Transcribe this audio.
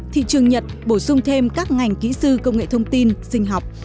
thị trường nhật bổ sung thêm các ngành kỹ sư công nghệ thông tin sinh học